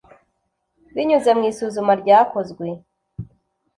binyuze mu isuzuma rya kozwe